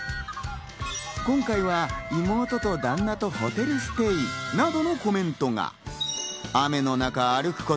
今回は妹と旦那とホテルステイ、などのコメントが。